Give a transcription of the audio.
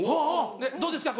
「どうですか？